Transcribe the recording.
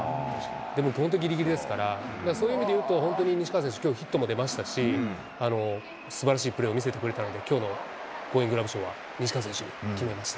でも本当、ぎりぎりですから、そういう意味で言うと、本当に西川選手、きょう、ヒットも出ましたし、すばらしいプレーを見せてくれたので、きょうのゴーインググラブ賞は西川選手に決めました。